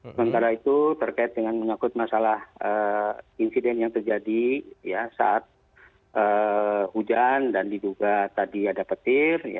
sementara itu terkait dengan menyakut masalah insiden yang terjadi saat hujan dan diduga tadi ada petir